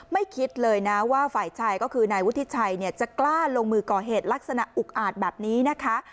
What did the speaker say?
คิดเลยนะว่าฝ่ายชายก็คือนายวุฒิชัยจะกล้าลงมือก่อเหตุลักษณะอุกอาจแบบนี้นะคะ